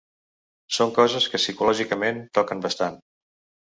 Són coses que psicològicament toquen bastant.